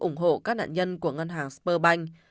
ủng hộ các nạn nhân của ngân hàng spurbank